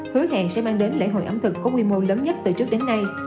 hứa hẹn sẽ mang đến lễ hội ẩm thực có quy mô lớn nhất từ trước đến nay